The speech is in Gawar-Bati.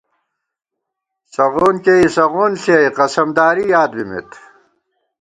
سغون کېئ سغون ݪِیَئی، قسمداری یاد بِمېت